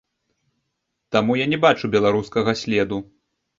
Таму я не бачу беларускага следу.